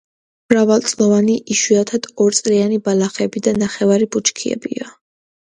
მრავალწლოვანი, იშვიათად ორწლიანი ბალახები და ნახევრად ბუჩქებია.